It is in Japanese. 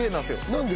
何で？